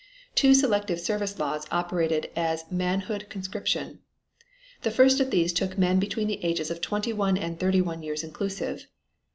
Two selective service laws operated as manhood conscription. The first of these took men between the ages of twenty one and thirty one years inclusive.